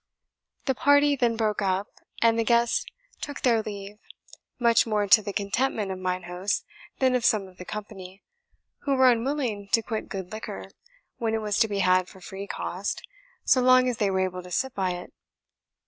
The party then broke up, and the guests took their leave; much more to the contentment of mine host than of some of the company, who were unwilling to quit good liquor, when it was to be had for free cost, so long as they were able to sit by it.